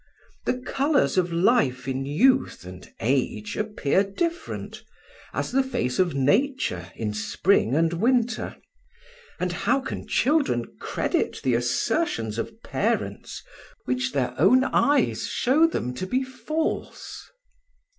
The colours of life in youth and age appear different, as the face of Nature in spring and winter. And how can children credit the assertions of parents which their own eyes show them to be false?